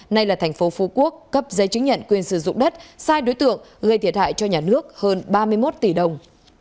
nay là thành phố phú quốc cấp giấy chứng nhận quyền sử dụng đất sai đối tượng gây thiệt hại cho nhà nước hơn ba mươi một tỷ đồng